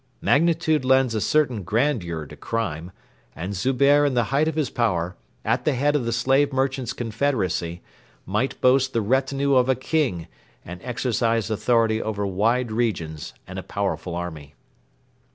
Magnitude lends a certain grandeur to crime; and Zubehr in the height of his power, at the head of the slave merchants' confederacy, might boast the retinue of a king and exercise authority over wide regions and a powerful army.